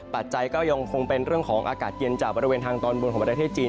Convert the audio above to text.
ปัจจัยก็ยังคงเป็นเรื่องของอากาศเย็นจากบริเวณทางตอนบนของประเทศจีน